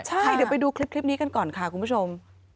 ใช่เดี๋ยวไปดูคลิปนี้กันก่อนค่ะคุณผู้ชม